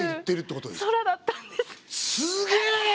すげえ！